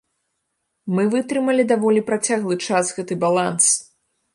Мы вытрымалі даволі працяглы час гэты баланс.